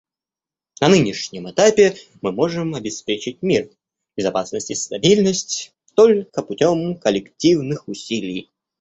На нынешнем этапе мы можем обеспечить мир, безопасность и стабильность только путем коллективных усилий.